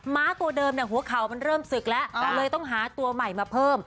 ้าตัวเดิมเนี่ยหัวเข่ามันเริ่มศึกแล้วก็เลยต้องหาตัวใหม่มาเพิ่ม